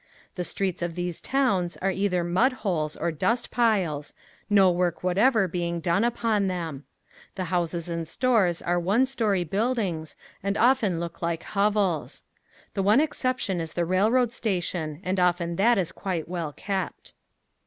The streets of these towns are either mud holes or dust piles, no work whatever being done upon them. The houses and stores are one story buildings and often look like hovels. The one exception is the railroad station and often that is quite well kept.